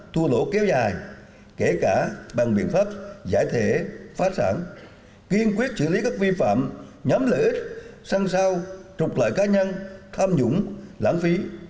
thua lỗ kéo dài kể cả bằng biện pháp giải thể phát sản kiên quyết xử lý các vi phạm nhắm lợi ích sang sao trục lại cá nhân tham nhũng lãng phí